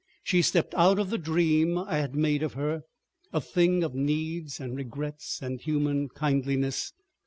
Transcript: She stepped out of the dream I had made of her, a thing of needs and regrets and human kindliness.